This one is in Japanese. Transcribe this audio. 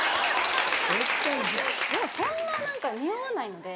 でもそんな何かにおわないので。